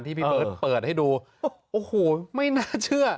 พี่เบิร์ตเปิดให้ดูโอ้โหไม่น่าเชื่อ